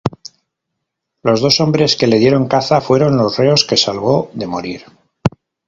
Los dos hombres que le dieron caza fueron los reos que salvó de morir.